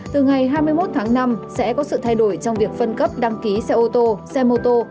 từ ngày hai mươi một tháng năm sẽ có sự thay đổi trong việc phân cấp đăng ký xe ô tô xe mô tô